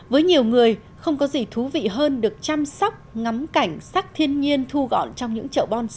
với nhiều người không có gì thú vị hơn được chăm sóc ngắm cảnh sắc thiên nhiên thu gọn trong những chậu bonsai